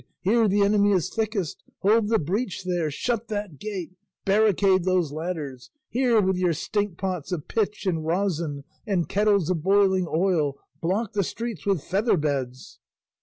Here the enemy is thickest! Hold the breach there! Shut that gate! Barricade those ladders! Here with your stink pots of pitch and resin, and kettles of boiling oil! Block the streets with feather beds!"